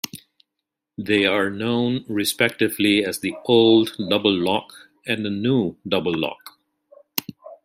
They are known respectively as the Old Double Lock and the New Double Lock.